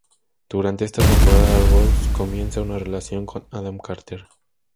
Durante esta temporada, Ros comienza una relación con Adam Carter.